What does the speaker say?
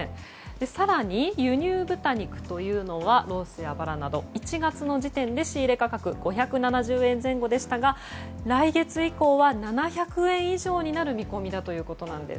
更に輸入豚肉というのはロースやバラなど１月の時点で仕入れ価格が５７０円前後でしたが来月以降は７００円以上になる見込みだということなんです。